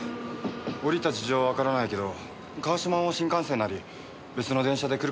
降りた事情はわからないけど川島も新幹線なり別の電車で来るかもしれないし。